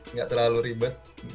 nggak terlalu ribet